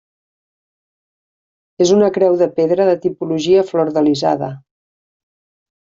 És una creu de pedra de tipologia flordelisada.